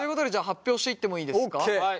発表していってもいいですか？